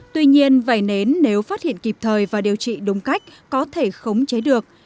tuy nhiên vẩy nến nếu phát hiện kịp thời và điều trị đúng cách có thể khống chế được